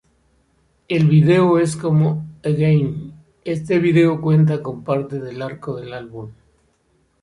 El video es como "Again", este video cuenta con parte del arco del álbum.